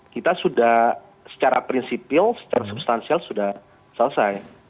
kita sudah secara prinsipil secara substansial sudah selesai